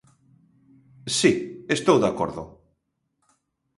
Si, estou de acordo.